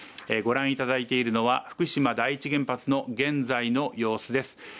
ご覧いただいているのは、福島第１原発の現在の様子です